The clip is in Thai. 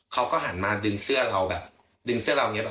เขาก็หันมาดึงเสื้อเราแบบดึงเสื้อเราอย่างนี้